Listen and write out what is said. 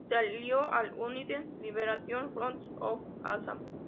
Se alió al United Liberation Front of Assam.